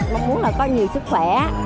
mong muốn là có nhiều sức khỏe